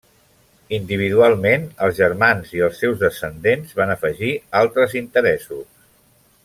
Individualment, els germans i els seus descendents, van afegir altres interessos.